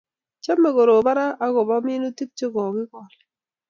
Chame koropon raa akoba minutik che kokigol